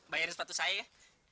bayarin sepatu saya ya